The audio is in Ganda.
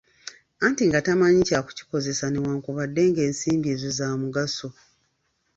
Anti nga tamanyi kya kuzikozesa newankubadde ng'ensimbi ezo za mugaso.